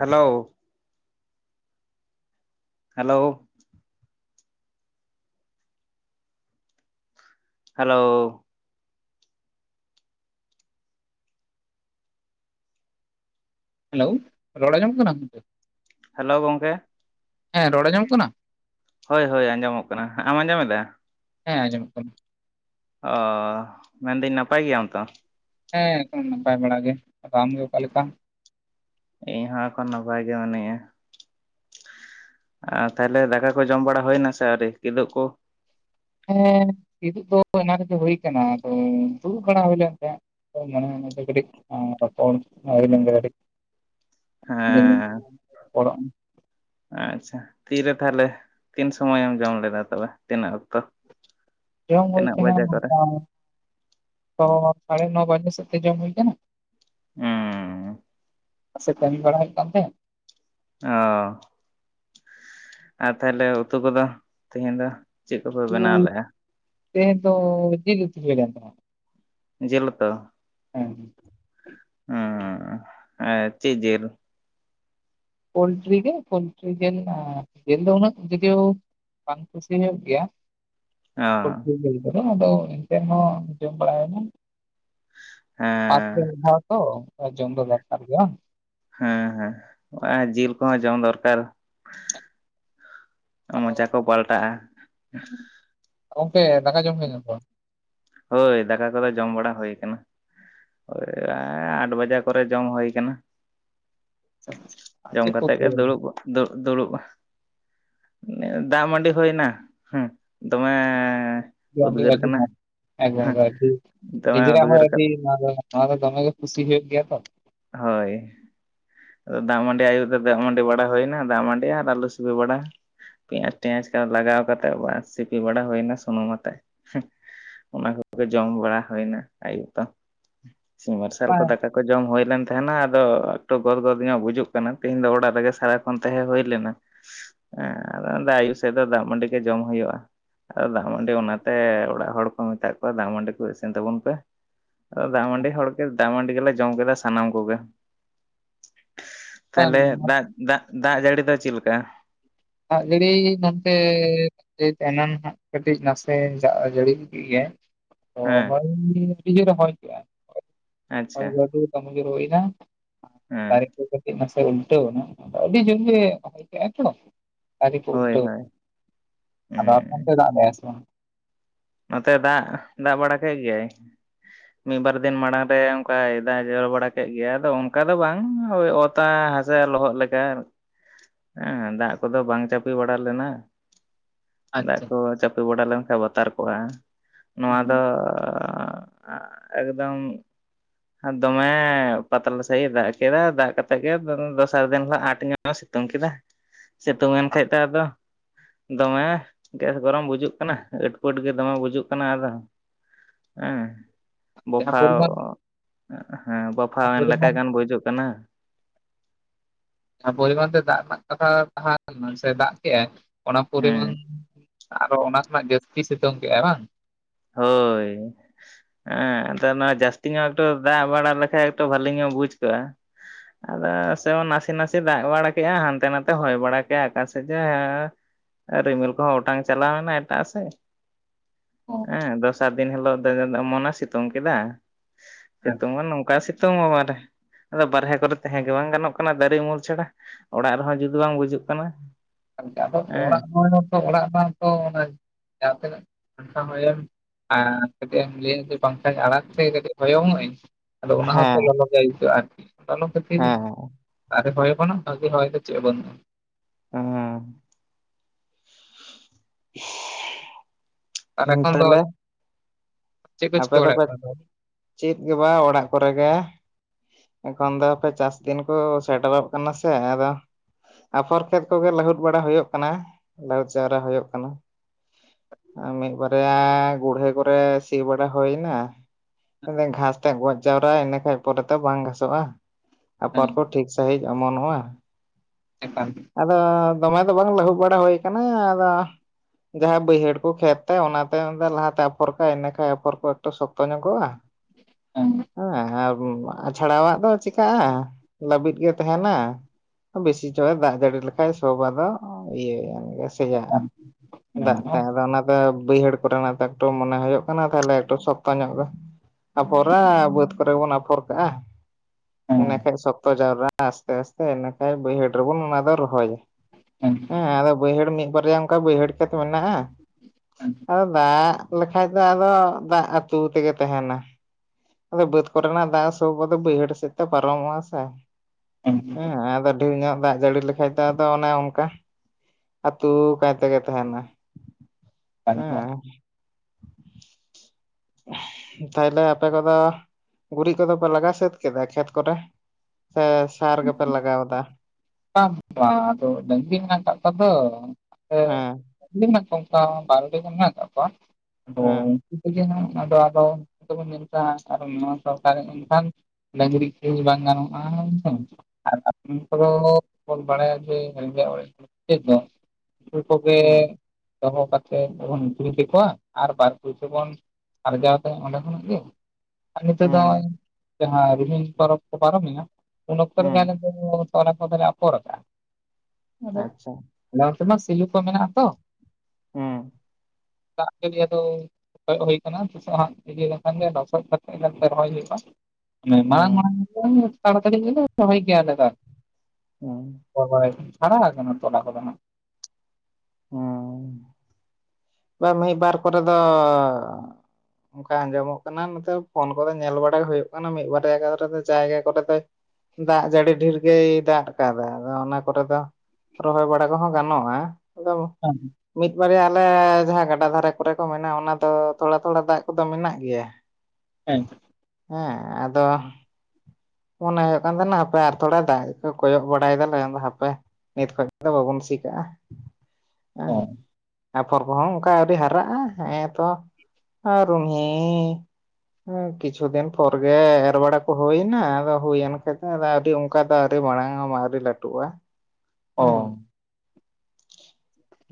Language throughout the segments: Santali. ᱦᱮᱞᱳ ᱦᱮᱞᱳ ᱦᱮᱞᱳ ᱦᱮᱞᱳ ᱨᱚᱲ ᱟᱸᱡᱚᱢ ᱠᱟᱱᱟ? ᱦᱮᱞᱳ ᱜᱚᱢᱠᱮ᱾ ᱦᱮᱸ ᱨᱚᱲ ᱟᱸᱡᱚᱢᱚᱜ ᱠᱟᱱᱟ? ᱦᱳᱭ ᱦᱳᱭ ᱟᱸᱡᱚᱢᱚᱜ ᱠᱟᱱᱟ, ᱟᱢ ᱟᱸᱡᱚᱢ ᱮᱫᱟ? ᱦᱮᱸ ᱟᱸᱡᱚᱢᱚᱜ ᱠᱟᱱᱟ᱾ ᱚᱻ ᱢᱮᱱᱫᱟᱹᱧ ᱱᱟᱯᱟᱭ ᱜᱮᱭᱟᱢ ᱛᱚ? ᱦᱮᱸ ᱮᱠᱷᱚᱱ ᱱᱟᱯᱟᱭ ᱵᱟᱲᱟ ᱜᱮ, ᱟᱫᱚ ᱟᱢ ᱜᱮ ᱚᱠᱟ ᱞᱮᱠᱟ? ᱤᱧ ᱦᱚᱸ ᱮᱠᱷᱚᱱ ᱱᱟᱯᱟᱭ ᱜᱮ ᱢᱮᱱᱟᱹᱧᱟ᱾ ᱟᱨ ᱛᱟᱦᱚᱞᱮ ᱫᱟᱠᱟ ᱠᱚ ᱡᱚᱢ ᱵᱟᱲᱟ ᱦᱩᱭ ᱮᱱᱟ ᱥᱮ ᱟᱹᱣᱨᱤ ᱠᱤᱫᱩᱵ ᱠᱚ? ᱦᱮᱸ ᱠᱤᱫᱩᱵ ᱫᱚ ᱮᱱᱟᱝ ᱨᱮᱜᱮ ᱦᱩᱭ ᱟᱠᱟᱱᱟ ᱾ ᱟᱫᱚ ᱫᱩᱲᱩᱵ ᱵᱟᱲᱟ ᱦᱩᱭ ᱞᱮᱱ ᱛᱟᱦᱮᱸᱫ᱾ ᱦᱮ ᱱᱚᱜᱼᱚᱭ ᱱᱚᱰᱮ ᱠᱟᱴᱤᱡ ᱨᱚᱯᱚᱲ ᱦᱩᱭ ᱞᱮᱱ ᱜᱮ ᱠᱟᱴᱤᱡ ᱾ [inaudible] ᱦᱮᱸ ᱾ [unintelligible] ᱟᱪᱪᱷᱟ, ᱛᱤᱨᱮ ᱛᱟᱦᱚᱞᱮ ᱛᱤᱱ ᱥᱩᱢᱚᱭᱮᱢ ᱡᱚᱢ ᱞᱮᱫᱟ ᱛᱚᱵᱮ ᱛᱤᱱᱟᱹᱜ ᱚᱠᱛᱚ? ᱡᱚᱢ ᱦᱩᱭ ᱛᱤᱱᱟᱹᱜ ᱟᱠᱟᱱᱟ ᱵᱟᱡᱮ ᱠᱚᱨᱮ [unintelligible] ᱛᱚ ᱥᱟᱲᱮ ᱱᱚ ᱵᱟᱡᱮ ᱥᱮᱫ ᱛᱮ ᱡᱚᱢ ᱦᱩᱭ ᱟᱠᱟᱱᱟ᱾ ᱦᱩᱸᱻ [unintelligible] ᱠᱟᱹᱢᱤ ᱵᱟᱲᱟ ᱦᱩᱭᱩᱜ ᱠᱟᱱ ᱛᱮ ᱾ ᱚᱻ ᱟᱨ ᱛᱟᱦᱚᱞᱮ ᱩᱛᱩ ᱠᱚᱫᱚ ᱛᱮᱦᱤᱧ ᱫᱚ ᱪᱮᱫ ᱠᱚᱯᱮ ᱵᱮᱱᱟᱣ ᱞᱮᱫᱼᱟ? ᱛᱮᱦᱮᱧ ᱫᱚ ᱡᱤᱞ ᱩᱛᱩ [unintelligible] ᱡᱤᱞ ᱩᱛᱩ ᱦᱮᱸ ᱾ [inaudible] ᱦᱚᱸ ᱟᱨ ᱪᱮᱫ ᱡᱤᱞ? ᱯᱳᱞᱴᱨᱤ ᱜᱮ ᱯᱳᱞᱴᱨᱤ ᱡᱮᱞ ᱟ ᱡᱮᱞ ᱫᱚ ᱩᱱᱟᱹᱜ ᱡᱳᱫᱤᱭᱳ ᱵᱟᱝ ᱠᱩᱥᱤ ᱦᱩᱭᱩᱜ ᱜᱮᱭᱟ ᱚ [inaudible] ᱯᱩᱞᱴᱤᱨᱤ ᱡᱤᱞ ᱠᱚᱫᱚ ᱟᱫᱚ ᱮᱱᱛᱮ ᱨᱮᱦᱚ ᱡᱚᱢ ᱵᱟᱲᱟ ᱦᱩᱭ ᱮᱱᱟ ᱾ [inaudible] ᱦᱮᱸ ᱾ [unintelligible] ᱛᱚ ᱡᱚᱢ ᱫᱚ ᱫᱚᱨᱠᱟᱨ ᱜᱮᱭᱟ ᱵᱟᱝ? ᱦᱮᱸ ᱦᱮᱸ ᱟᱨ ᱡᱤᱞ ᱠᱚᱦᱚᱸ ᱡᱚᱢ ᱫᱚᱨᱠᱟᱨ ᱾ [inaudible] ᱟᱫᱚ ᱢᱚᱪᱟ ᱠᱚ ᱯᱟᱞᱴᱟᱜᱼᱟ᱾ [inaudible] ᱜᱚᱢᱠᱮ ᱫᱟᱠᱟ ᱡᱚᱢ ᱦᱩᱭ ᱮᱱᱟ ᱥᱮ ᱵᱟᱝ? ᱦᱳᱭ ᱫᱟᱠᱟ ᱠᱚᱫᱚ ᱡᱚᱢ ᱵᱟᱲᱟ ᱦᱩᱭ ᱟᱠᱟᱱᱟ ᱾ ᱳᱭ ᱟᱴ ᱵᱟᱡᱮ ᱠᱚᱨᱮ ᱡᱚᱢ ᱦᱩᱭ ᱟᱠᱟᱱᱟ᱾ ᱟᱨ ᱡᱚᱢ ᱪᱮᱫ ᱠᱚ ᱠᱟᱛᱮ ᱩᱛᱩ ᱜᱮ ᱦᱩᱭ ᱞᱮᱱᱟ? ᱫᱩᱲᱩᱵ ᱫᱩ ᱫᱩᱲᱩᱵ ᱫᱟᱜ ᱢᱟᱹᱰᱤ ᱦᱩᱭ ᱮᱱᱟ ᱦᱮᱸ ᱫᱚᱢᱮᱻ [unintelligible] ᱫᱚᱢᱮ ᱱᱤᱡᱨᱟᱜ ᱦᱚᱸ ᱩᱫᱽᱜᱟᱹᱨ ᱠᱟᱱ ᱟᱹᱭᱰᱤ ᱱᱚᱸᱣᱟ ᱫᱚ ᱱᱚᱣᱟ ᱫᱚ ᱫᱚᱢᱮ ᱜᱮ ᱠᱩᱥᱤ ᱦᱩᱭᱩᱜ ᱜᱮᱭᱟ ᱛᱚ᱾ ᱦᱳᱭ ᱾ ᱟᱫᱚ ᱫᱟᱜ ᱢᱟᱹᱰᱤ ᱟᱹᱭᱩᱵ ᱫᱚ ᱫᱟᱜ ᱢᱟᱹᱰᱤ ᱵᱟᱲᱟ ᱦᱩᱭ ᱮᱱᱟ ᱫᱟᱜ ᱢᱟᱹᱰᱤ ᱟᱨ ᱟᱹᱞᱩ ᱥᱤᱯᱤ ᱵᱟᱲᱟ ᱯᱮᱸᱭᱟᱡ ᱴᱮᱭᱟᱡ ᱞᱟᱜᱟᱣ ᱠᱟᱛᱮᱜ ᱵᱟᱥ ᱥᱤᱯᱤ ᱵᱟᱲᱟ ᱦᱩᱭ ᱮᱱᱟ ᱥᱩᱱᱩᱢ ᱟᱛᱮᱜ ᱾ ᱚᱱᱟ ᱠᱚᱜᱮ ᱡᱚᱢ ᱵᱟᱲᱟ ᱦᱩᱭ ᱮᱱᱟ ᱟᱭᱩᱵ ᱫᱚ ᱾ ᱥᱤᱧ ᱢᱟᱨᱥᱟᱞ ᱠᱚ ᱵᱟᱝ ᱫᱟᱠᱟ ᱠᱚ ᱡᱚᱢ ᱦᱩᱭ ᱞᱮᱱ ᱛᱟᱦᱮᱱᱟ ᱟᱫᱚ ᱮᱠᱴᱩ ᱜᱚᱫ ᱜᱚᱫ ᱧᱚᱜ ᱵᱩᱡᱩᱜ ᱠᱟᱱᱟ, ᱛᱤᱦᱤᱧ ᱫᱚ ᱚᱲᱟᱜ ᱨᱮᱜᱮ ᱥᱟᱨᱟ ᱠᱷᱚᱱᱚᱱ ᱛᱟᱦᱮᱸ ᱦᱩᱭ ᱞᱮᱱᱟ ᱾ ᱦᱮᱸ ᱟᱫᱚ ᱟᱹᱭᱩᱵ ᱥᱮᱫ ᱫᱚ ᱫᱟᱜ ᱢᱟᱹᱰᱤ ᱜᱮ ᱡᱚᱢ ᱦᱩᱭᱩᱜᱼᱟ ᱾ ᱟᱫᱚ ᱫᱟᱜ ᱢᱟᱹᱰᱤ ᱚᱱᱟᱛᱮ ᱚᱲᱟᱜ ᱦᱚᱲ ᱠᱚ ᱢᱮᱛᱟᱜ ᱠᱚᱣᱟ ᱫᱟᱜ ᱢᱟᱹᱰᱤ ᱠᱚ ᱤᱥᱤᱱ ᱛᱟᱵᱚᱱ ᱯᱮ ᱾ ᱟᱫᱚ ᱫᱟᱜ ᱢᱟᱱᱰᱤ ᱦᱚᱲ ᱜᱮ ᱫᱟᱜ ᱢᱟᱹᱰᱤ ᱜᱮᱞᱮ ᱡᱚᱢ ᱠᱮᱫᱟ ᱥᱟᱱᱟᱢ ᱠᱚᱜᱮ ᱾ [inaudible] ᱵᱟᱝ ᱛᱟᱦᱞᱮ ᱫᱟᱜ ᱫᱟᱜ ᱫᱟᱜ ᱡᱟᱹᱲᱤ ᱫᱚ ᱪᱮᱫ ᱞᱮᱠᱟ? ᱫᱟᱜ ᱜᱤᱲᱤ ᱱᱚᱱᱛᱮᱻ ᱮᱱᱟᱝ ᱦᱟᱜ ᱠᱟᱴᱤᱡ ᱱᱟᱥᱮ ᱡᱟᱜ ᱡᱟᱹᱲᱤ ᱤᱫᱤᱭᱮᱫ ᱜᱮᱭᱟᱭ᱾ ᱦᱮᱸ [unintelligible] [unintelligible] ᱟᱪᱪᱷᱟ ᱠᱟᱢᱤᱡ ᱦᱮᱸ ᱱᱟᱥᱮ ᱩᱞᱴᱟᱹᱣᱱᱟ ᱟᱹᱰᱤ ᱡᱳᱨ ᱜᱮ ᱦᱚᱭ ᱠᱮᱜ-ᱟᱭ ᱛᱚ᱾ ᱫᱟᱨᱤ ᱠᱚ ᱦᱳᱭ ᱩᱞᱴᱟᱹᱣ ᱦᱳᱭ ᱟᱫᱚ ᱟᱯᱮ ᱚᱱᱛᱮ ᱦᱩᱸ ᱫᱟᱜ ᱫᱟᱭ ᱥᱮ ᱵᱟᱝ? ᱱᱚᱛᱮ ᱫᱟᱜ ᱫᱟᱜ ᱵᱟᱲᱟ ᱠᱮᱫ ᱜᱮᱭᱟᱭ᱾ ᱢᱤᱫ ᱵᱟᱨ ᱫᱤᱱ ᱢᱟᱲᱟᱝ ᱨᱮ ᱚᱱᱠᱟᱭ ᱫᱟᱜ ᱮ ᱡᱚᱲᱚ ᱵᱟᱲᱟ ᱠᱮᱫ ᱜᱮᱭᱟ ᱟᱫᱚ ᱚᱱᱠᱟ ᱫᱚ ᱵᱟᱝ ᱳᱭ ᱚᱛ ᱛᱟ ᱦᱟᱥᱟ ᱞᱚᱦᱚᱫ ᱞᱮᱠᱟ ᱦᱮᱸ ᱫᱟᱜ ᱠᱚᱫᱚ ᱵᱟᱝ ᱪᱟᱯᱮ ᱵᱟᱲᱟ ᱞᱮᱱᱟ᱾ ᱫᱟᱜ ᱟᱪᱪᱷᱟ ᱠᱚ ᱪᱟᱯᱮ ᱵᱟᱲᱟ ᱞᱮᱱᱠᱷᱟᱱ ᱵᱟᱛᱟᱨ ᱠᱚᱜᱼᱟ᱾ ᱱᱚᱣᱟ ᱦᱮᱸ ᱫᱚ ᱮᱠᱫᱚᱢ ᱟᱨ ᱫᱚᱢᱮ ᱯᱟᱛᱲᱟ ᱥᱟᱺᱦᱤᱡ ᱮ ᱫᱟᱜ ᱠᱮᱫᱟ ᱫᱟᱜ ᱠᱟᱛᱮᱜ ᱜᱮ ᱫᱚᱥᱟᱨ ᱫᱤᱱ ᱦᱤᱞᱳᱜ ᱟᱴ ᱧᱚᱜ ᱮ ᱥᱤᱛᱩᱝ ᱠᱮᱫᱟ᱾ ᱥᱤᱛᱩᱝ ᱮᱱ ᱠᱷᱟᱡ ᱛᱚ ᱟᱫᱚ ᱫᱚᱢᱮ ᱜᱮᱥ ᱜᱚᱨᱚᱢ ᱵᱩᱡᱩᱜ ᱠᱟᱱᱟ ᱟᱹᱴ ᱯᱟᱹᱴ ᱜᱮ ᱫᱚᱢᱮ ᱵᱩᱡᱩᱜ ᱠᱟᱱᱟ ᱟᱫᱚ᱾ ᱦᱮᱸ ᱡᱟᱦᱟᱸ ᱵᱳᱯᱷᱟᱣ ᱯᱚᱨᱤᱢᱟᱱ ᱦᱮᱸ ᱡᱟᱦᱟᱸ ᱵᱟᱯᱷᱟᱣᱮᱱ ᱞᱮᱠᱟ ᱯᱚᱨᱤᱢᱟᱱ ᱜᱟᱱ ᱵᱩᱡᱩᱜ ᱠᱟᱱᱟ᱾ ᱡᱟᱦᱟᱸ ᱯᱚᱨᱤᱢᱟᱱ ᱛᱮ ᱫᱟᱜ ᱨᱮᱱᱟᱜ ᱠᱟᱛᱷᱟ ᱛᱟᱦᱮᱸᱞᱮᱱᱟ ᱥᱮ ᱫᱟᱜ ᱠᱮᱫᱟᱭ ᱚᱱᱟ ᱦᱮᱸ ᱯᱚᱨᱤᱢᱟᱱ ᱟᱨᱚ ᱚᱱᱟ ᱠᱷᱚᱱᱟᱜ ᱡᱟᱹᱥᱛᱤ ᱥᱤᱛᱩᱝ ᱠᱮᱫ-ᱟᱭ ᱵᱟᱝ? ᱦᱳᱭ᱾ ᱦᱮᱸ ᱱᱚᱣᱟ ᱡᱟᱹᱥᱛᱤ ᱧᱚᱜ ᱮᱠᱴᱩ ᱫᱟᱜ ᱵᱟᱲᱟ ᱞᱮᱠᱷᱟᱡ ᱮᱠᱴᱩ ᱵᱷᱟᱞᱤ ᱧᱚᱜ ᱵᱩᱡ ᱠᱚᱜᱼᱟ᱾ ᱟᱫᱚ ᱥᱮ ᱱᱟᱥᱮ ᱱᱟᱥᱮ ᱫᱟᱜ ᱵᱟᱲᱟ ᱠᱮᱜᱼᱟ ᱦᱟᱱᱛᱮ ᱱᱟᱛᱮ ᱦᱚᱭ ᱵᱟᱲᱟ ᱠᱮᱜᱼᱟᱭ ᱚᱠᱟᱥᱮᱫ ᱨᱤᱢᱤᱞ ᱠᱚᱦᱚᱸ ᱚᱴᱟᱝ ᱪᱟᱞᱟᱣᱱᱟ ᱮᱴᱟᱜ ᱥᱮᱫ ᱦᱮᱸ ᱫᱚᱥᱟᱨ ᱫᱤᱱ ᱦᱤᱞᱳᱜ ᱫᱚ ᱚᱢᱚᱱᱮ ᱥᱤᱛᱩᱝ ᱠᱮᱫᱟ ᱦᱮᱸ ᱥᱤᱛᱩᱝ ᱢᱟ ᱱᱚᱝᱠᱟ ᱥᱤᱛ ᱛᱩᱝ ᱵᱟᱵ ᱨᱮ ᱟᱫᱚ ᱵᱟᱨᱦᱮ ᱠᱚᱨᱮ ᱛᱟᱦᱮᱸ ᱜᱮ ᱵᱟᱝ ᱜᱟᱱᱚᱜ ᱠᱟᱱᱟ ᱫᱟᱨᱮ ᱩᱢᱩᱞ ᱪᱷᱟᱲᱟ ᱚᱲᱟᱜ ᱨᱮᱦᱚᱸ ᱡᱩᱫᱤ ᱵᱟᱝ ᱵᱩᱡᱩᱜ ᱠᱟᱱᱟ᱾ ᱟᱫᱚ ᱦᱮᱸ ᱚᱲᱟᱜ ᱠᱚᱨᱮ ᱚᱲᱟᱜ ᱵᱟᱝ ᱛᱚ ᱡᱟᱦᱟᱸ ᱛᱤᱱᱟᱹᱜ [unintelligible] ᱠᱟᱹᱴᱤᱡ ᱮᱢ ᱞᱟᱹᱭᱟ ᱡᱮ ᱯᱟᱝᱠᱷᱟᱱ ᱟᱲᱟᱜ ᱛᱮ ᱠᱟᱹᱴᱤᱡ ᱦᱚᱭᱚᱝᱚᱜ ᱟᱹᱧ ᱟᱫᱚ ᱚᱱᱟ ᱦᱚᱸᱛᱚ ᱦᱮᱸ ᱞᱚᱞᱚ ᱜᱮ ᱟᱭᱠᱟᱹᱜ-ᱟ ᱟᱨᱠᱤ ᱞᱚᱞᱚ ᱠᱷᱟᱛᱤᱨ ᱟᱨᱮ ᱦᱚᱭ ᱟᱵᱚᱱᱟ ᱦᱚᱭ ᱨᱮ ᱪᱮᱫ ᱵᱟᱹᱱᱩᱜ ᱟ ᱾ ᱦᱩᱸ᱾ [inaudible] ᱟᱨ ᱦᱮᱸ ᱮᱠᱷᱚᱱ ᱫᱚ ᱛᱟᱦᱞᱮ ᱪᱮᱫ ᱠᱚ ᱟᱯᱮ ᱪᱤᱠᱟᱹ ᱵᱟᱲᱟᱭᱮᱫ ᱫᱚᱯᱮ ᱠᱟᱱᱟ ᱛᱟᱦᱚᱞᱮ? ᱪᱮᱫ ᱜᱮ ᱵᱟ ᱚᱲᱟᱜ ᱠᱚᱨᱮ ᱜᱮ᱾ ᱮᱠᱷᱚᱱ ᱫᱚ ᱦᱟᱯᱮ ᱪᱟᱥ ᱫᱤᱱ ᱠᱚ ᱥᱮᱴᱮᱨᱚᱜ ᱠᱟᱱᱟ ᱥᱮ ᱟᱫᱚ ᱟᱯᱷᱚᱨ ᱠᱷᱮᱛ ᱠᱚᱜᱮ ᱞᱟᱹᱦᱩᱫ ᱵᱟᱲᱟ ᱦᱩᱭᱩᱜ ᱠᱟᱱᱟ ᱞᱟᱹᱦᱩᱫ ᱡᱟᱣᱨᱟ ᱦᱩᱭᱩᱜ ᱠᱟᱱᱟ᱾ ᱢᱤᱫ ᱵᱟᱨᱭᱟ ᱜᱩᱲᱦᱟᱹ ᱠᱚᱨᱮ ᱥᱤ ᱵᱟᱲᱟ ᱦᱩᱭᱱᱟ, ᱢᱮ ᱜᱷᱟᱥᱛᱮ ᱜᱚᱡ ᱡᱟᱣᱨᱟ ᱤᱱᱟ ᱠᱷᱟᱡ ᱯᱚᱨᱮᱛᱮ ᱵᱟᱝ ᱜᱷᱟᱥᱚᱜᱼᱟ᱾ ᱦᱮᱸ ᱟᱯᱷᱚᱨ ᱠᱚ ᱴᱷᱤᱠ ᱥᱟᱹᱦᱤᱡ ᱚᱢᱚᱱᱚᱜᱼᱟ᱾ ᱮᱠᱟᱞ᱾ ᱟᱫᱚ ᱫᱚᱢᱮ ᱫᱚ ᱵᱟᱝ ᱞᱟᱹᱦᱩᱵ ᱵᱟᱲᱟ ᱦᱩᱭ ᱠᱟᱱᱟ ᱟᱫᱚ ᱡᱟᱦᱟᱸ ᱵᱟᱹᱭᱦᱟᱹᱲ ᱠᱚ ᱠᱷᱮᱛ ᱛᱮ ᱚᱱᱟᱛᱮ ᱞᱟᱦᱟᱛᱮ ᱟᱯᱷᱚᱨ ᱠᱟᱜ ᱤᱱᱟᱠᱷᱟᱡ ᱟᱯᱷᱚᱨ ᱠᱚ ᱮᱠᱴᱩ ᱥᱚᱠᱛᱚ ᱧᱚᱜᱚᱜᱼᱟ᱾ [unintelligible] ᱦᱮᱸ ᱟᱨ ᱪᱷᱟᱲᱟᱣᱟᱜ ᱫᱚ ᱪᱤᱠᱟᱹᱜᱼᱟ ᱞᱟᱹᱵᱤᱫ ᱜᱮ ᱛᱟᱦᱮᱱᱟ ᱵᱮᱥᱤ ᱡᱚᱨᱮ ᱫᱟᱜ ᱡᱟᱹᱲᱤ ᱞᱮᱠᱷᱟᱡ ᱥᱚᱵᱷ ᱟᱫᱚ ᱤᱭᱟᱹᱭᱮᱱᱜᱮ ᱥᱮᱭᱟᱜ-ᱟ ᱮᱠᱟᱞ ᱫᱟᱜ ᱟᱫᱚ ᱛᱮᱜ ᱫᱚ ᱚᱱᱟ ᱞᱮ ᱵᱟᱹᱭᱦᱟᱹᱲ ᱠᱚᱨᱮᱱᱟᱜ ᱴᱟᱠᱴᱚᱨ ᱢᱚᱱᱮ ᱦᱩᱭᱩᱜ ᱠᱟᱱᱟ ᱛᱟᱦᱚᱞᱮ ᱮᱠᱴᱩ ᱥᱚᱯᱛᱟ ᱧᱚᱜ ᱫᱚ ᱛᱟᱯᱚᱨᱮ ᱵᱟᱹᱫᱽ ᱠᱚᱨᱮ ᱵᱚᱱ ᱟᱯᱷᱚᱨ ᱠᱟᱜᱼᱟ᱾ ᱚᱱᱟ ᱠᱷᱟᱡ ᱥᱚᱠᱛᱚ ᱡᱟᱣᱨᱟᱜ-ᱟ ᱟᱥᱛᱮ ᱟᱥᱛᱮ ᱤᱱᱟᱹ ᱠᱷᱟᱡ ᱵᱟᱹᱭᱦᱟᱹᱲ ᱨᱮᱵᱚᱱ ᱚᱱᱟ ᱫᱚ ᱨᱚᱦᱚᱭᱟ᱾ ᱰᱟᱹᱝᱨᱤ ᱢᱮᱱᱟᱜ ᱦᱮᱸ ᱟᱫᱚ ᱵᱟᱹᱭᱦᱟᱹᱲ ᱢᱤᱫ ᱵᱟᱨᱭᱟ ᱚᱝᱠᱟ ᱵᱟᱹᱭᱦᱟᱹᱲ ᱠᱷᱮᱛ ᱢᱮᱱᱟᱜ-ᱟ, ᱟᱨ ᱫᱟᱜ ᱞᱮᱠᱷᱟᱡ ᱫᱚ ᱟᱫᱚ ᱫᱟᱜ ᱟᱹᱛᱩ ᱛᱮᱜᱮ ᱛᱟᱦᱮᱸᱱᱟ᱾ ᱟᱫᱚ ᱵᱟᱹᱫᱽ ᱠᱚᱨᱮᱱᱟᱜ ᱫᱟᱜ ᱥᱚᱵ ᱠᱚᱫᱚ ᱵᱟᱹᱭᱦᱟᱹᱲ ᱥᱮᱫ ᱛᱮ ᱯᱟᱨᱚᱢᱚᱜᱼᱟ ᱥᱮ᱾ ᱦᱮᱸ ᱟᱫᱚ ᱰᱷᱮᱨ ᱧᱚᱜ ᱫᱟᱜ ᱡᱟᱹᱲᱤ ᱞᱮᱠᱟᱡ ᱫᱚ ᱟᱫᱚ ᱚᱱᱮ ᱚᱝᱠᱟ ᱟᱹᱛᱩ ᱠᱟ ᱛᱮᱜᱮ ᱛᱟᱦᱮᱸᱱᱟ ᱦᱮᱸ᱾ ᱛᱟᱦᱞᱮ ᱟᱯᱮ ᱠᱚᱫᱚ ᱜᱩᱨᱤᱡ ᱠᱚᱫᱚ ᱯᱮ ᱞᱟᱜᱟ ᱥᱟᱹᱛ ᱠᱮᱫᱟ ᱠᱷᱮᱛ ᱠᱚᱨᱮ? ᱥᱮ ᱥᱟᱨ ᱜᱮᱯᱮ ᱞᱟᱜᱟᱣᱫᱟ? ᱵᱟᱝ ᱵᱟᱝ ᱟᱫᱚ ᱰᱟᱝᱨᱤ ᱢᱮᱱᱟᱜ ᱠᱟᱜ ᱠᱚᱣᱟ ᱛᱚ ᱟᱫᱚ ᱦᱮᱸ ᱵᱟᱝᱨᱤ ᱢᱮᱱᱟᱜ ᱠᱚ ᱟᱝᱠᱟ ᱰᱟᱝᱨᱤ ᱠᱚ ᱢᱮᱱᱟᱜ ᱠᱟᱜ ᱠᱚᱣᱟ᱾ ᱟᱫᱚ ᱦᱮᱸ ᱩᱱᱠᱩ ᱜᱮ ᱱᱟᱦᱟᱜ ᱟᱫᱚ ᱟᱵᱚ [unintelligible] ᱟᱨᱚ ᱱᱚᱣᱟ ᱥᱚᱨᱠᱟᱨᱮ ᱦᱮᱡ ᱮᱱᱠᱷᱟᱱ ᱰᱟᱝᱨᱤ ᱟᱠᱷᱨᱤᱧ ᱵᱟᱝ ᱜᱟᱱᱚᱜᱼᱟ ᱦᱮᱸᱥᱮ ᱟᱨ [unintelligible] ᱵᱚᱱ ᱵᱟᱲᱟᱭᱟ ᱡᱮ ᱨᱮᱸᱡᱮᱡ ᱚᱲᱮᱡ ᱛᱮᱫ ᱫᱚ ᱩᱱᱠᱩ ᱜᱮ ᱦᱩᱸ ᱫᱚᱦᱚ ᱠᱟᱛᱮᱫ ᱵᱚᱱ ᱠᱮᱫᱠᱚᱣᱟ ᱟᱨ ᱵᱟᱨ ᱯᱩᱭᱥᱟ ᱵᱚᱱ ᱟᱨᱡᱟᱣ ᱛᱟᱦᱮᱸᱜ ᱚᱸᱰᱮ ᱠᱷᱚᱱᱟᱜ ᱜᱮ᱾ ᱟᱨ ᱱᱤᱛᱚᱜ ᱫᱚ ᱦᱩᱸ ᱡᱟᱦᱟᱸ ᱨᱤᱦᱤᱢ ᱯᱚᱨᱚᱵᱽ ᱠᱚ ᱯᱟᱨᱚᱢᱮᱱᱟ ᱩᱱ ᱚᱠᱛᱚ ᱨᱮ ᱦᱩᱸ ᱟᱞᱮ ᱫᱚ ᱛᱚᱞᱟ ᱠᱚᱫᱚᱞᱮ ᱟᱯᱚᱨ ᱠᱟᱜᱼᱟ᱾ ᱟᱫᱚ ᱟᱪᱪᱷᱟ ᱵᱟᱲᱛᱤ ᱢᱟ ᱥᱤᱞᱩ ᱠᱚ ᱢᱮᱱᱟᱜᱼᱟ ᱛᱚ? ᱦᱩᱸ᱾ ᱫᱟᱜ ᱛᱮᱜᱮ ᱟᱫᱚ ᱛᱚᱜ ᱦᱩᱭ ᱠᱟᱱᱟ ᱛᱤᱥᱳᱜ ᱦᱟᱸᱜ ᱤᱭᱟᱹ ᱞᱮᱠᱷᱟᱱ ᱜᱮ ᱞᱚᱥᱚᱫ ᱠᱟᱛᱮ ᱨᱚᱦᱚᱭ ᱦᱩᱭᱩᱜᱼᱟ᱾ ᱢᱟᱬᱟᱝ ᱦᱩᱸ ᱢᱟᱬᱟᱝ ᱜᱮ ᱛᱟᱲᱟ ᱛᱟᱲᱤ ᱜᱮᱞᱮ ᱨᱚᱦᱚᱭ ᱜᱮᱭᱟ ᱟᱞᱮ ᱫᱚ᱾ ᱦᱩᱸ᱾ ᱛᱚ ᱵᱟᱭ ᱦᱟᱨᱟ ᱠᱟᱱᱟ ᱛᱚᱞᱟ ᱠᱚᱫᱚ ᱱᱟᱜ᱾ ᱦᱩᱸ᱾ ᱵᱟ ᱢᱤᱫ ᱵᱟᱨ ᱠᱚᱨᱮ ᱫᱚ ᱚᱝᱠᱟ ᱟᱸᱡᱚᱢᱚᱜ ᱠᱟᱱᱟ ᱱᱚᱛᱮ ᱯᱷᱳᱱ ᱠᱚᱨᱮ ᱧᱮᱞ ᱵᱟᱲᱟᱭ ᱦᱩᱭᱩᱜ ᱠᱟᱱᱟ ᱢᱤᱫ ᱵᱟᱨᱮᱭᱟ ᱡᱟᱭᱜᱟ ᱠᱚᱨᱮ ᱫᱚ ᱫᱟᱜ ᱡᱟᱹᱲᱤ ᱰᱷᱮᱨ ᱜᱮᱭ ᱫᱟᱜ ᱠᱟᱫᱟ, ᱟᱫᱚ ᱚᱱᱟ ᱠᱚᱨᱮ ᱫᱚ ᱨᱚᱦᱚᱭ ᱵᱟᱲᱟ ᱠᱚᱦᱚᱸ ᱜᱟᱱᱚᱜᱼᱟ, ᱮᱠᱫᱚᱢ [inaudible] ᱢᱤᱫ ᱵᱟᱨᱮᱭᱟ ᱟᱞᱮ ᱡᱟᱦᱟᱸ ᱜᱟᱰᱟ ᱫᱷᱟᱨᱮ ᱠᱚᱨᱮ ᱠᱚ ᱢᱮᱱᱟᱜᱼᱟ ᱚᱱᱟ ᱫᱚ ᱛᱷᱚᱲᱟ ᱛᱷᱚᱲᱟ ᱫᱟᱜ ᱠᱚᱫᱚ ᱢᱮᱱᱟᱜ ᱜᱮᱭᱟ᱾ ᱦᱮᱸ᱾ ᱦᱮᱸ ᱟᱫᱚ ᱢᱚᱱᱮ ᱦᱩᱭᱩᱜ ᱠᱟᱱ ᱛᱟᱦᱮᱸᱱᱟ ᱦᱟᱯᱮ ᱟᱨ ᱛᱷᱚᱲᱟ ᱫᱟᱜ ᱠᱚᱭᱚᱜ ᱵᱟᱲᱟᱭ ᱫᱟᱞᱮ ᱦᱟᱯᱮ ᱱᱤᱛ ᱠᱷᱚᱡ ᱫᱚ ᱵᱟᱵᱚᱱ ᱥᱤ ᱠᱟᱜᱼᱟ᱾ ᱚ ᱦᱮᱸ, ᱟᱯᱷᱚᱨ ᱠᱚ ᱦᱚᱸ ᱚᱝᱠᱟ ᱟᱣᱨᱤ ᱦᱟᱨᱟᱜᱼᱟ ᱦᱮᱸ ᱮ ᱛᱚ ᱨᱩᱦᱱᱤ ᱦᱮᱸ ᱠᱤᱪᱷᱩ ᱫᱤᱱ ᱯᱚᱨ ᱜᱮ ᱮᱨ ᱵᱟᱲᱟ ᱠᱚ ᱦᱩᱭᱱᱟ, ᱦᱩᱭᱮᱱ ᱠᱷᱟᱡ ᱫᱚ ᱟᱹᱰᱤ ᱚᱱᱠᱟ ᱫᱚ ᱟᱣᱨᱤ ᱢᱟᱲᱟᱝ ᱟᱹᱣᱨᱤ ᱞᱟᱹᱴᱩᱜᱼᱟ ᱚ ᱦᱮᱸ᱾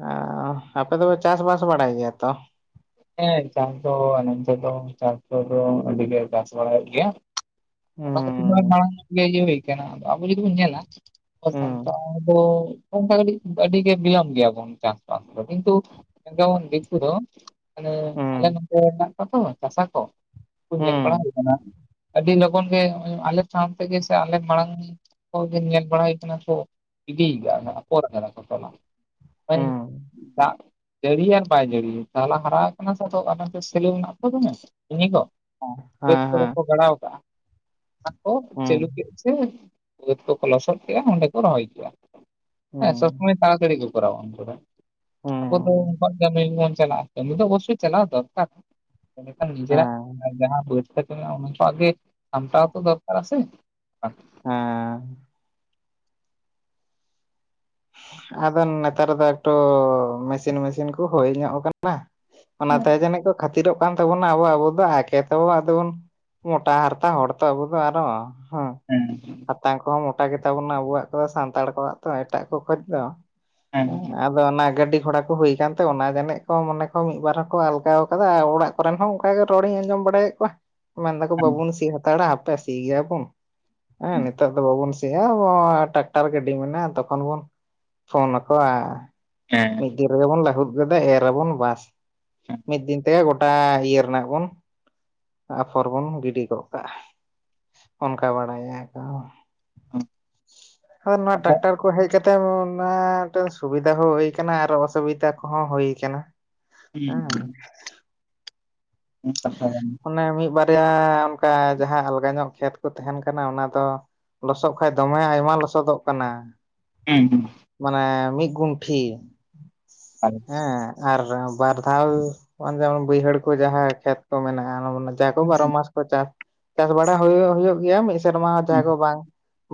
ᱮᱸ ᱟᱯᱮ ᱫᱚᱯᱮ ᱪᱟᱥ ᱵᱟᱥ ᱵᱟᱲᱟᱭ ᱜᱮᱭᱟ ᱛᱚ? ᱦᱮᱸ ᱪᱟᱥ ᱫᱚ ᱱᱚᱱᱛᱮ ᱫᱚ ᱪᱟᱥ ᱠᱚᱫᱚ ᱟᱹᱰᱤ ᱜᱮ ᱡᱟᱥ ᱵᱟᱲᱟᱭᱮᱜ ᱜᱮᱭᱟ, ᱚᱱᱟ ᱠᱷᱟᱛᱤᱨ ᱦᱩᱸ ᱢᱟᱲᱟᱝ ᱤᱭᱟᱹ ᱦᱩᱭ ᱠᱟᱱᱟ ᱟᱫᱚ ᱟᱵᱚ ᱡᱩᱫᱤ ᱵᱚᱱ ᱧᱮᱞᱟ ᱟᱵᱚ ᱦᱩᱸ ᱥᱟᱱᱛᱟᱲ ᱫᱚ ᱚᱱᱠᱟ ᱠᱟᱴᱤᱡ ᱟᱹᱰᱤ ᱜᱮ ᱵᱤᱭᱚᱢ ᱜᱮᱭᱟᱵᱚᱱ ᱪᱟᱥᱵᱟᱥ ᱫᱚ ᱠᱤᱱᱛᱩ ᱡᱮᱢᱚᱱ ᱫᱤᱠᱩ ᱫᱚ ᱢᱟᱱᱮ ᱟᱞᱮ ᱦᱩᱸ ᱱᱚᱛᱮ ᱦᱚᱲ ᱢᱮᱱᱟᱜ ᱠᱚᱣᱟᱛᱚ ᱪᱟᱥᱟ ᱠᱚ, ᱩᱱᱠᱩ ᱧᱮᱞ ᱵᱟᱲᱟ ᱦᱩᱭ ᱦᱩᱸ ᱟᱠᱟᱱᱟ᱾ ᱟᱹᱰᱤ ᱞᱚᱜᱚᱱ ᱜᱮ ᱟᱞᱮ ᱥᱟᱶ ᱛᱮᱜᱮ ᱥᱮ ᱟᱞᱮ ᱢᱟᱲᱟᱝ ᱠᱚᱞ ᱜᱮ ᱧᱮᱞ ᱵᱟᱲᱟᱭ ᱠᱟᱱᱟ ᱠᱚ ᱤᱫᱤᱭ ᱜᱮᱭᱟ ᱠᱚ ᱟᱯᱚᱨ ᱠᱟᱱᱟᱠᱚ ᱛᱚᱞᱟ᱾ ᱦᱚᱭ ᱦᱩᱸ ᱫᱟᱜ ᱡᱟᱲᱤᱭᱮᱱ ᱵᱟᱭ ᱡᱟᱲᱤᱭᱮᱱ ᱛᱟᱞᱟ᱾ ᱦᱟᱨᱟ ᱠᱟᱱᱟ ᱠᱚ ᱱᱚᱛᱮ ᱥᱮᱞᱤᱝ ᱱᱟᱜᱛᱚ ᱫᱚᱢᱮ ᱩᱱᱤ ᱫᱚᱼ ᱵᱟᱹᱛ ᱦᱮᱸ ᱠᱚᱨᱮ ᱦᱮᱸ ᱠᱚ ᱜᱟᱲᱟᱣ ᱠᱟᱜᱼᱟ ᱟᱨ ᱠᱚ ᱦᱩᱸ ᱪᱟᱹᱞᱩ ᱠᱮᱜ ᱪ ᱵᱟᱹᱛ ᱠᱚᱠᱚ ᱞᱚᱥᱚᱫ ᱠᱮᱜᱼᱟ ᱚᱸᱰᱮ ᱠᱚ ᱨᱚᱦᱚᱭ ᱠᱮᱜᱼᱟ ᱦᱮᱸ ᱥᱚᱵ ᱦᱩᱸ ᱥᱚᱢᱚᱭ ᱛᱟᱲᱟᱛᱟᱹᱲᱤ ᱠᱚ ᱠᱚᱨᱟᱣ ᱠᱮᱫ-ᱟ ᱟᱵᱚ ᱫᱚ ᱦᱩᱸ ᱩᱱᱠᱩᱣᱟᱜ ᱠᱦᱮᱛ ᱨᱮᱜᱮ ᱵᱚᱱ ᱪᱟᱞᱟᱜᱼᱟ ᱠᱟᱢᱤ ᱫᱚ ᱚᱵᱚᱥᱳᱭ ᱪᱟᱞᱟᱣ ᱫᱚᱨᱠᱟᱨᱼᱼ ᱮᱰᱮᱠᱦᱟᱱ ᱱᱤᱡᱮᱨᱟᱜ ᱦᱮᱸ ᱡᱟᱦᱟᱸ ᱵᱳᱛ ᱥᱮ ᱪᱮᱜᱟ ᱚᱱᱠᱟ ᱜᱮ ᱥᱟᱢᱴᱞᱣ ᱛᱚ ᱫᱚᱨᱠᱟᱨᱟ ᱥᱮ [inaudible] ᱦᱸᱮ ᱟᱫᱚ ᱱᱮᱛᱟᱨ ᱫᱚ ᱮᱠᱴᱩ ᱢᱮᱥᱤᱱ ᱢᱮᱥᱤᱱ ᱠᱚ ᱦᱳᱭ ᱧᱚᱜ ᱠᱟᱱᱟ᱾ ᱱᱟ ᱦᱮᱸ ᱚᱱᱟᱛᱮ ᱡᱟᱱᱤᱜ ᱠᱚ ᱠᱷᱟᱹᱛᱤᱨᱚᱜ ᱠᱟᱱ ᱛᱟᱵᱚᱱᱟ ᱟᱵᱚ ᱟᱵᱚ ᱫᱚ ᱮᱠᱮ ᱛᱚ ᱟᱫᱚ ᱵᱚᱱᱼᱼ ᱢᱳᱴᱟ ᱦᱟᱨᱛᱟ ᱦᱚᱲ ᱛᱚ ᱟᱵᱚ ᱫᱚ ᱟᱨ ᱦᱚᱸ ᱦᱸᱩ ᱦᱮᱸ [inaudible] ᱴᱟᱝ ᱠᱚᱦᱚᱸ ᱢᱚᱴᱟ ᱜᱮᱛᱟ ᱵᱚᱱᱟ ᱟᱵᱚᱣᱟᱜ ᱫᱚ ᱥᱟᱱᱛᱟᱲ ᱠᱚᱣᱟᱜ ᱛᱚ ᱮᱴᱟᱜ ᱠᱚ ᱠᱷᱚᱡ ᱫᱚ ᱦᱮᱸ ᱟᱫᱚ ᱚᱱᱟ ᱜᱟᱹᱰᱤ ᱜᱷᱚᱲᱟ ᱠᱚ ᱦᱩᱭ ᱟᱠᱟᱱᱛᱮ ᱚᱱᱟ ᱜᱟᱱᱤᱡ ᱠᱚ ᱢᱚᱱᱮ ᱠᱚ ᱢᱤᱫ ᱵᱟᱨ ᱦᱚᱸᱠᱚ ᱟᱞᱜᱟᱟᱣ ᱟᱠᱟᱫᱟ ᱚᱲᱟᱜᱼᱼ ᱠᱚᱴᱦᱮᱱ ᱦᱚᱸ ᱚᱱᱠᱟ ᱜᱮ ᱨᱚᱲᱤᱧ ᱟᱸᱡᱚᱢ ᱵᱟᱲᱟᱭᱮᱫ ᱠᱚᱣᱟ᱾ ᱢᱮᱱ ᱫᱟᱠᱚ ᱦᱮᱸ ᱵᱟᱵᱩᱱ ᱥᱤ ᱦᱟᱛᱟᱲᱟ ᱦᱟᱯᱮ ᱥᱤ ᱜᱮᱭᱟᱵᱚᱱ ᱦᱮᱸ ᱱᱮᱛᱟᱨ ᱫᱚ ᱵᱟᱵᱩᱱ ᱥᱤᱼᱼ ᱥᱮ ᱟᱵᱚ ᱴᱨᱟᱠᱴᱟᱨ ᱜᱟᱹᱰᱤ ᱢᱮᱱᱟᱜᱼᱟ ᱛᱚᱠᱷᱚᱱ ᱵᱚᱱᱼ ᱯᱷᱳᱱ ᱟᱠᱚ-ᱟ᱾ ᱮᱸ ᱢᱤᱫ ᱫᱤᱱ ᱨᱮᱜᱮ ᱵᱚᱱ ᱞᱟᱦᱩᱫ ᱜᱚᱫᱟ ᱮᱨᱟᱵᱚᱱ ᱵᱟᱥ? ᱦᱮᱸ ᱢᱤᱫ ᱫᱤᱱ ᱛᱮᱜᱚ ᱜᱚᱴᱟ ᱤᱭᱟᱹ ᱨᱮᱱᱟᱜ ᱵᱚᱱ? ᱟᱯᱷᱚᱨ ᱵᱚᱱ ᱜᱤᱰᱤ ᱜᱚᱜ ᱠᱟᱜᱼᱟ ᱚᱱᱠᱟ ᱵᱟᱲᱟᱭᱟ ᱛᱚ᱾ ᱟᱨ ᱱᱚᱣᱟ ᱟᱫᱚ ᱴᱟᱠᱴᱟᱨ ᱠᱚ ᱦᱮᱜ ᱠᱟᱛᱮᱜ ᱚᱱᱟ ᱫᱚ ᱥᱩᱵᱤᱫᱟ ᱦᱚᱸ ᱦᱩᱭ ᱟᱠᱟᱱᱟ᱾ ᱦᱮᱜ ᱠᱟᱱᱟ ᱟᱨ ᱚᱥᱩᱵᱤᱫᱟ ᱠᱚᱦᱚᱸ ᱦᱳᱭ ᱠᱟᱱᱟ ᱦᱩᱸ ᱦᱮᱸ ᱦᱩᱸ ᱠᱟᱛᱷᱟ ᱚᱱᱮ ᱢᱤᱜ ᱵᱟᱨᱭᱟ ᱚᱱᱠᱟ ᱡᱟᱦᱟᱸ ᱟᱞᱜᱟ ᱧᱚᱜ ᱠᱷᱮᱛ ᱠᱚ ᱛᱟᱦᱮᱱ ᱠᱟᱱᱟ ᱚᱱᱟ ᱫᱚ᱾ ᱞᱚᱥᱚᱜ ᱠᱦᱟᱭᱜ ᱫᱚᱢᱮ ᱟᱭᱢᱟ ᱞᱚᱥᱚᱫᱚᱜ ᱠᱟᱱᱟ᱾ ᱦᱮᱸ ᱢᱟᱱᱮ ᱢᱤᱫ ᱜᱩᱱᱴᱷᱤ ᱦᱩᱸ [unintelligible] ᱦᱮᱸ ᱟᱨ ᱵᱟᱨ ᱫᱷᱟᱣ ᱠᱦᱟᱱ ᱜᱮ ᱵᱟᱹᱭᱦᱟᱹᱲ ᱠᱚ ᱡᱟᱦᱟᱸ ᱠᱷᱮᱛ ᱠᱚ ᱢᱮᱱᱟᱜᱼᱟ ᱚᱱᱟ ᱦᱚᱸ ᱵᱚᱱ ᱥᱮ ᱛᱚ ᱦᱩᱸ ᱵᱟᱨᱚ ᱢᱟᱥ? ᱪᱟᱥ ᱪᱟᱥ ᱵᱟᱲᱟ ᱦᱩᱭᱩᱜ ᱦᱩᱭᱩᱜ ᱜᱮᱭᱟ ᱢᱤᱫ ᱥᱮᱨᱢᱟ ᱦᱩᱸ ᱡᱟᱦᱟᱸ ᱠᱚ ᱵᱟᱝ?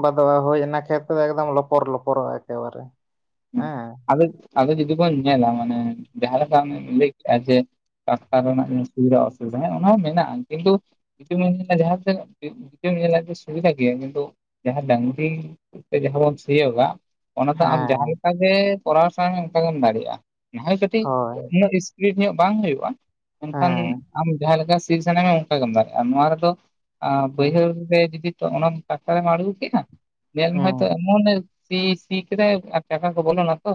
ᱵᱟᱫᱣᱟ ᱦᱳᱭ ᱚᱱᱟ ᱠᱷᱮᱛ ᱫᱚ ᱮᱠᱫᱚᱢ ᱞᱚᱯᱚᱨ ᱞᱚᱯᱚᱨᱚᱜ-ᱟ ᱮᱠᱮᱵᱟᱨᱮ? ᱦ ᱦᱮᱸ ᱟᱫᱚ ᱟᱫᱚ ᱡᱩᱫᱤ ᱵᱚᱱ ᱧᱮᱞᱟ ᱢᱟᱱᱮ ᱡᱟᱦᱟ ᱞᱮᱠᱟᱢ ᱞᱮᱭ ᱠᱮᱜᱮᱜᱼᱟ ᱡᱮ ᱰᱟᱠᱛᱟᱨ ᱨᱮᱱᱟᱜ ᱥᱩᱵᱤᱫᱟ ᱚᱥᱩᱵᱤᱫᱦᱟ ᱦᱮᱸ ᱚᱱᱟ ᱦᱚᱸ ᱢᱮᱱᱟᱜᱼᱟ ᱠᱤᱱᱛᱩᱼᱼ ᱱᱤᱛᱳᱜ ᱮᱢ ᱧᱮᱞᱟ ᱡᱟᱦᱟᱥᱮᱛ ᱧᱮᱞᱟᱢ ᱡᱮ ᱥᱩᱵᱤᱫᱟ ᱜᱮᱭᱟ ᱠᱤᱱᱛᱩ ᱡᱟᱦᱟᱸ ᱰᱟᱝᱨᱤᱼᱼ [inaudible] ᱡᱟᱦᱟᱸ ᱵᱚᱱ ᱥᱤᱭᱳᱜᱟ ᱚᱱᱟ ᱛᱚ ᱟᱢ ᱡᱟᱦᱟᱸ ᱦᱮᱸ ᱞᱮᱠᱟ ᱜᱮ ᱠᱚᱨᱟᱣ ᱢᱮ ᱚᱱᱠᱟ ᱜᱮᱢ ᱫᱟᱲᱮᱮᱜ-ᱟ ᱱᱟᱦᱚᱭ ᱠᱟᱹᱴᱤᱡ ᱦᱳᱭ ᱩᱱᱟᱹᱜ ᱤᱥ ᱴᱦᱤᱠ ᱧᱚᱜ ᱵᱟᱝ ᱦᱩᱭᱩᱜᱼᱟ ᱮᱱᱠᱷᱟᱱ ᱦᱮᱸ ᱟᱢ ᱡᱟᱦᱟ ᱞᱮᱠᱟ ᱥᱤᱴ ᱥᱟᱱᱟ ᱢᱮ ᱚᱝ ᱚᱝᱠᱟ ᱜᱮᱢ ᱫᱟᱲᱮᱜᱟ ᱱᱚᱣᱟ ᱨᱮᱫᱚ ᱦᱮᱸ ᱵᱟᱹᱭᱦᱟᱹᱲ ᱨᱮ ᱡᱩᱫᱤ ᱚᱱᱟ ᱴᱟᱠᱴᱟᱨ ᱮᱢ ᱟᱬᱜᱩ ᱠᱮᱫᱼᱟ᱾ ᱧᱮᱞ ᱢᱮ ᱦᱚᱭ ᱛᱚ ᱦᱩᱸ ᱮᱢᱚᱱᱮ ᱥᱤ ᱥᱤ ᱠᱮᱫᱟᱭ ᱟᱨ ᱪᱟᱠᱟ ᱠᱚ ᱵᱚᱞᱚᱱᱟ ᱛᱚ᱾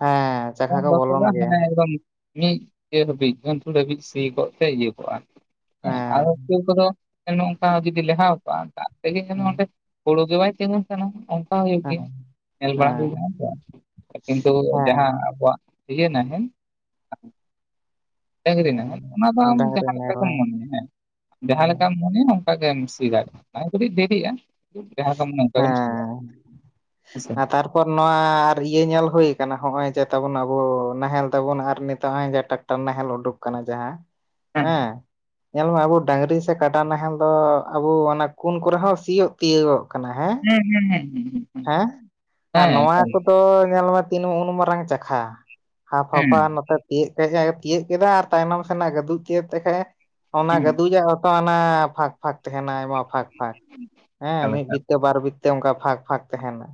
ᱦᱮᱸ ᱪᱟᱠᱷᱟ ᱯᱚᱝ ᱠᱚ ᱵᱚᱞᱚᱱ ᱫᱚᱥᱚᱜᱟ ᱜᱮᱭᱟ ᱦᱟᱱᱮ ᱮᱫᱚᱢ ᱢᱤᱫ ᱜᱮ ᱦᱟᱹᱵᱤᱡ ᱩᱱᱠᱩ ᱦᱟᱹᱵᱤᱡ ᱥᱤ ᱠᱚᱜ ᱛᱮ ᱤᱭᱟᱹ ᱠᱚᱜᱼᱟ ᱦᱮᱸ ᱟᱨ ᱦᱚᱸ ᱠᱮᱳ ᱠᱚᱫᱚ᱾ ᱱᱚᱝᱠᱟ ᱡᱩᱫᱤ ᱞᱮᱦᱟᱣ ᱠᱚᱜ-ᱟ ᱫᱟᱜ ᱛᱮᱜᱮ ᱡᱮᱱᱚ ᱦᱮᱸ ᱚᱸᱰᱮ ᱦᱳᱲᱳ ᱜᱮ ᱵᱟᱭ ᱛᱮᱜᱳᱱ᱾ ᱦᱳᱭ ᱠᱟᱱᱟ ᱚᱱᱠᱟ ᱦᱚᱸ ᱦᱳᱭᱳᱜ ᱦᱮᱸ ᱜᱮᱭᱟ ᱧᱮᱞ ᱵᱟᱲᱟ ᱦᱮᱸ ᱦᱩᱭ ᱠᱟᱱᱟ ᱥᱮ ᱠᱤᱱᱛᱩ ᱦᱮᱸ ᱡᱟᱦᱟᱸ ᱟᱠᱚᱣᱟᱜ ᱤᱭᱮ ᱱᱟᱦᱮᱞ ᱰᱟᱹᱟᱝᱨᱤ ᱱᱟᱦᱮᱞ, ᱚᱱᱟ ᱫᱚ ᱦᱮᱸ ᱟᱢ ᱰᱟᱝᱨᱤ ᱡᱟᱦᱟᱸ ᱞᱮᱠᱟ ᱜᱮᱢ ᱢᱮᱨᱚᱢ ᱢᱚᱱᱮᱭᱟ ᱦᱮᱸ ᱡᱟᱦᱟᱸ ᱦᱮᱸ ᱞᱮᱠᱟᱢ ᱢᱚᱱᱮᱭᱟ ᱚ ᱠᱟᱜᱮᱢ ᱥᱤ ᱫᱟᱲᱮ-ᱟ, ᱠᱟᱹᱴᱤᱡ ᱫᱮᱨᱤ ᱟ ᱡᱟᱦᱟᱸ ᱫᱚᱢ ᱱᱚᱝᱠᱟ ᱜᱮᱢ ᱥᱤᱭᱟ, ᱦᱮᱸ ᱥᱮ? ᱯᱚᱨ ᱱᱚᱣᱟ ᱟᱨ ᱤᱭᱟᱹ ᱧᱮᱞ ᱦᱳᱭ ᱠᱟᱱᱟ ᱦᱚᱜᱼᱚᱭ ᱡᱮ ᱛᱟᱵᱚᱱ ᱟᱵᱚ ᱱᱟᱦᱮᱞ ᱛᱟᱵᱚᱱ ᱟᱨ ᱱᱤᱛᱚᱜ ᱦᱚᱸᱜᱼᱚᱭ ᱡᱟ ᱴᱟᱠ ᱴᱟ ᱱᱟᱦᱮᱞ ᱩᱰᱩᱠ ᱟᱠᱟᱱᱟ ᱡᱟᱦᱟᱸ, ᱦᱮᱸ? ᱧᱮᱞ ᱢᱮ ᱟᱵᱚ ᱰᱟᱝᱨᱤ ᱥᱮ ᱠᱟᱰᱟ ᱱᱟᱦᱮᱞ ᱫᱚ ᱟᱵᱚ ᱚᱱᱟ ᱠᱩᱱ ᱠᱚᱨᱮ ᱦᱚᱸ ᱥᱤᱭᱳᱜ ᱛᱤᱭᱳᱜᱚᱜ ᱠᱟᱱᱟ ᱦᱮᱸ᱾ ᱦᱩᱸ ᱦᱩᱸ ᱦᱩᱸ ᱦᱩᱸ ᱦᱩᱸ᱾ ᱦᱮᱸ? ᱟᱨ ᱱᱚᱣᱟ ᱠᱚᱫᱚ ᱧᱮᱞ ᱢᱮ ᱛᱤᱱ ᱩᱱ ᱢᱟᱨᱟᱝ ᱪᱟᱠᱷᱟ᱾ ᱦᱟᱯ ᱦᱮᱸ ᱦᱟᱯᱷᱟ ᱱᱚᱛᱮ ᱛᱤᱭᱟᱹᱜ ᱛᱮᱜᱮ ᱛᱤᱭᱟᱹᱜ ᱠᱮᱫᱟ ᱟᱨ ᱛᱟᱭᱱᱚᱢ ᱥᱮᱱᱟᱜ ᱜᱟᱹᱫᱩᱡ ᱛᱤᱭᱳᱜ ᱛᱮ ᱠᱷᱟᱡ ᱚᱱᱟ ᱜᱟᱹᱫᱩᱟᱜ ᱦᱚᱸᱛᱚ ᱚᱱᱟ ᱯᱷᱟᱠ ᱯᱷᱟᱸᱠ ᱛᱟᱦᱮᱱᱟ ᱟᱭᱢᱟ ᱯᱷᱟᱸᱠ ᱯᱷᱟᱸᱠ, ᱦᱮᱸ ᱮᱠᱟᱞ ᱢᱤᱫ ᱮᱠᱟᱞ ᱵᱤᱛᱟᱹ ᱵᱟᱨ ᱵᱤᱛᱟᱹ ᱚᱱᱠᱟ ᱯᱷᱟᱸᱠ ᱯᱷᱟᱸᱠ ᱛᱟᱦᱮᱱᱟ᱾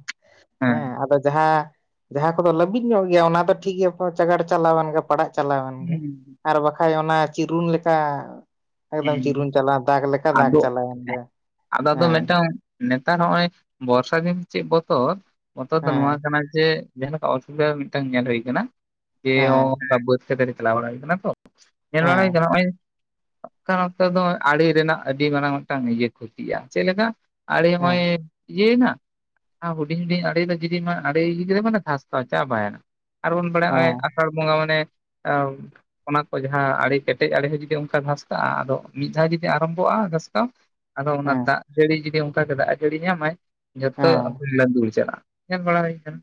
ᱦᱮᱸ ᱟᱫᱚ ᱡᱟᱦᱟᱸ, ᱡᱟᱦᱟᱸ ᱠᱚᱫᱚ ᱞᱟᱹᱵᱤᱫ ᱧᱚᱜ ᱜᱮᱭᱟ ᱚᱱᱟ ᱫᱚ ᱴᱷᱤᱠ ᱜᱮᱭᱟ ᱪᱟᱜᱟᱲ ᱪᱟᱞᱟᱣᱮᱱ ᱜᱮ ᱯᱟᱲᱟᱜ ᱪᱟᱞᱟᱣᱮᱱ ᱜᱮ, ᱟᱨ ᱵᱟᱠᱷᱟᱡ ᱚᱱᱟ ᱪᱤᱨᱩᱱ ᱞᱮᱠᱟ ᱮᱠᱫᱚᱢ ᱪᱤᱨᱩᱱ ᱦᱩᱸ ᱪᱟᱞᱟᱣ, ᱫᱟᱜᱽ ᱞᱮᱠᱟ ᱫᱟᱜᱽ ᱟᱫᱚ ᱪᱟᱞᱟᱣᱮᱱ ᱜᱮ, ᱟᱫᱚ ᱟᱫᱚ ᱦᱮᱸ᱾ ᱢᱤᱫᱴᱟᱝ ᱱᱮᱛᱟᱨ ᱦᱚᱸᱜᱼᱚᱭ ᱵᱚᱨᱥᱚ ᱫᱤᱱ ᱫᱚ ᱪᱮᱫ ᱵᱚᱛᱚᱨ ᱵᱚᱛᱚᱨ ᱫᱚ ᱱᱚᱣᱟ ᱦᱮᱸ ᱠᱟᱱᱟ ᱡᱮ ᱡᱟᱦᱟᱸ ᱞᱮᱠᱟ ᱚᱥᱩᱵᱤᱫᱷᱟ ᱢᱤᱫᱴᱟᱝ ᱧᱮᱞ ᱦᱩᱭ ᱠᱟᱱᱟ, ᱡᱮ ᱦᱮᱸ ᱚᱱᱠᱟ ᱵᱟᱹᱫᱽ ᱠᱷᱮᱛ ᱨᱮ ᱪᱟᱞᱟᱣ ᱵᱟᱲᱟ ᱦᱩᱭ ᱠᱟᱱᱟ ᱛᱚ ᱧᱮᱞ ᱵᱟᱲᱟ ᱦᱩᱭ ᱦᱮᱸ ᱠᱟᱱᱟ ᱦᱚᱸᱜ-ᱚᱭ ᱚᱱᱠᱟ ᱚᱠᱛᱚ ᱫᱚ ᱟᱲᱮ ᱨᱮᱱᱟᱜ ᱟᱹᱰᱤ ᱢᱟᱨᱟᱝ ᱢᱤᱫᱴᱟᱝ ᱤᱭᱟᱹ ᱠᱷᱚᱛᱤᱜᱼᱟ, ᱪᱮᱫᱮ ᱞᱮᱠᱟ? ᱟᱲᱮ ᱦᱚᱸᱜᱼᱚᱭ ᱦᱮᱸ ᱤᱭᱟᱹᱭᱮᱱᱟ ᱟᱨ ᱦᱩᱰᱤᱧ ᱦᱩᱰᱤᱧ ᱟᱲᱮ ᱨᱮ ᱡᱩᱫᱤ ᱱᱚᱣᱟ ᱟᱲᱮ ᱤᱭᱟᱹ ᱠᱮᱫᱟ ᱢᱟᱱᱮ ᱫᱷᱟᱥᱛᱟᱣᱟ ᱪᱟᱵᱟᱭᱮᱱᱟ᱾ ᱟᱨᱵᱚᱱ ᱵᱟᱲᱟᱭᱟ ᱦᱚᱸᱜ-ᱚᱭ ᱦᱮᱸ ᱟᱥᱟᱲ ᱵᱚᱸᱜᱟ ᱢᱟᱱᱮ ᱮ ᱚᱱᱟ ᱠᱚ ᱡᱟᱦᱟᱸ ᱟᱲᱮ ᱠᱮᱴᱮᱡ ᱟᱲᱮ ᱦᱚᱸ ᱡᱩᱫᱤ ᱚᱱᱠᱟ ᱜᱷᱟᱥ ᱠᱟᱜ-ᱟ ᱟᱫᱚ ᱢᱤᱫ ᱫᱷᱟᱣ ᱡᱩᱫᱤ ᱟᱨᱟᱢᱵᱷᱚᱜᱼᱟ ᱜᱷᱟᱥᱠᱟᱣ ᱟᱫᱚ ᱦᱮᱸ ᱚᱱᱟ ᱦᱮᱸ ᱫᱟᱜ ᱡᱟᱹᱲᱤ ᱡᱩᱫᱤ ᱚᱱᱠᱟ ᱜᱮ ᱫᱟᱜ ᱡᱟᱹᱲᱤ ᱧᱟᱢᱟᱭ ᱡᱷᱚᱛᱚ ᱟᱫᱚ ᱞᱟᱸᱫᱩᱲ ᱪᱟᱞᱟᱜᱼᱟ, ᱧᱮᱞ ᱵᱟᱲᱟ ᱦᱩᱭ ᱠᱟᱱᱟ᱾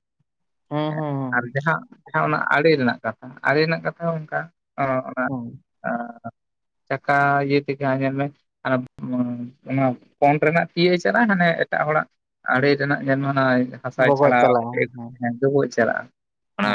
ᱦᱮᱸ ᱮ ᱦᱮᱸ ᱟᱨ ᱦᱮᱸ ᱡᱟᱦᱟᱸ ᱡᱟᱦᱟᱸ ᱚᱱᱟ ᱟᱲᱮ ᱨᱮᱱᱟᱜ ᱠᱟᱛᱷᱟ ᱟᱲᱮ ᱨᱮᱱᱟᱜ ᱠᱟᱛᱷᱟ ᱦᱚᱸ ᱚᱱᱠᱟ᱾ ᱚ ᱚᱱᱟ ᱦᱮᱸ ᱮᱸ ᱪᱟᱠᱟ ᱤᱭᱟᱹ ᱛᱮᱜᱮ ᱦᱟᱸᱜ ᱧᱮᱞᱢᱮ ᱟᱨ ᱚᱱᱟ ᱮᱸ ᱯᱚᱱ ᱨᱮᱱᱟᱜ ᱛᱤᱭᱟᱹᱜ ᱪᱟᱞᱟᱜ ᱦᱟᱱᱮ ᱮᱴᱟᱜ ᱦᱚᱲᱟᱜ ᱟᱲᱮ ᱨᱮᱱᱟᱜ ᱧᱮᱞ ᱢᱮ ᱦᱟᱱᱟ ᱦᱟᱥᱟᱭ ᱵᱚᱜᱚᱡ ᱪᱷᱟᱲᱟᱣ ᱪᱟᱞᱟᱣᱮᱱ ᱠᱟᱛᱮ ᱦᱮᱸ ᱜᱩᱵᱩᱡ ᱪᱟᱞᱟᱜᱼᱟ᱾ ᱚᱱᱟ ᱦᱮᱸ